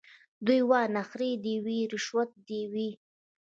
دی وايي نخرې دي وي رشوت دي وي